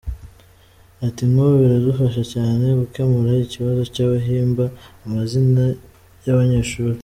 Ati “Nk’ubu biradufasha cyane gukemura ikibazo cy’abahimba amazina y’abanyeshuri.